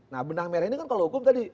nah benang merah ini kan kalau hukum tadi